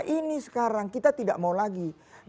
ini sekarang kita tidak mau lagi